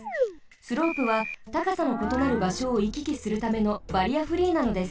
スロープはたかさのことなるばしょをいききするためのバリアフリーなのです。